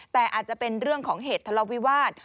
แต่อาจจะเป็นเรื่องของเหตุทะเลาวิวาส